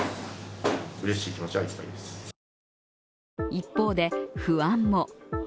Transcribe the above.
一方で不安も。